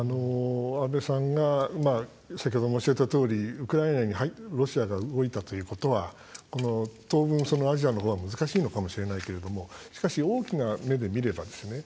安倍さんが先ほど申し上げたとおりウクライナにロシアが動いたということは当分、アジアのほうは難しいのかもしれないけれどもしかし、大きな目で見ればですね